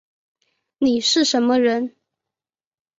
你是什么人